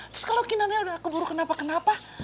terus kalo kinar nya udah keburu kenapa kenapa